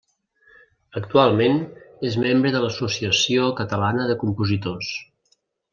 Actualment és membre de l'Associació Catalana de Compositors.